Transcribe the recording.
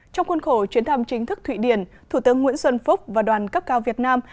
trong khuôn khổ chuyến thăm chính thức thụy điển thủ tướng nguyễn xuân phúc và đoàn cấp cao việt nam